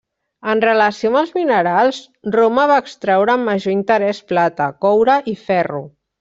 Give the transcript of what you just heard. En relació amb els minerals, Roma va extraure amb major interès plata, coure i ferro.